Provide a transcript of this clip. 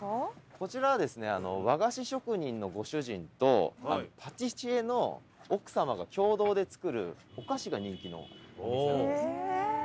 こちらはですね和菓子職人のご主人とパティシエの奥さまが共同で作るお菓子が人気のお店なんです。